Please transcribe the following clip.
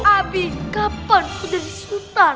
abi kapan aku jadi sultan